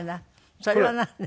それはなんで。